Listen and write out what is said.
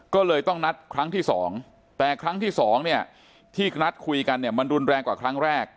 ก็เลยต้องนัดครั้งที่๒แต่ครั้งที่สองเนี่ยที่นัดคุยกันเนี่ยมันรุนแรงกว่าครั้งแรก